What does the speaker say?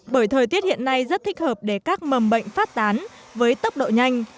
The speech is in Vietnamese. bởi thời tiết hiện nay rất thích hợp để các mầm bệnh phát tán với tốc độ nhanh